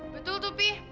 betul tuh pi